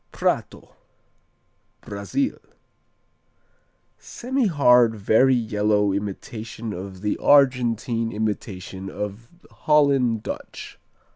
Prato Brazil Semihard, very yellow imitation of the Argentine imitation of Holland Dutch.